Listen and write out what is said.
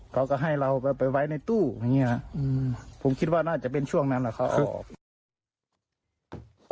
เขาก็ให้เราไปไว้ในตู้เมื่อเงี้ยผมคิดว่าน่าจะเป็นช่วงนั้นว่าเขาออก